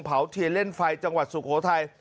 เทียนเล่นไฟจังหวัดสุโขทัย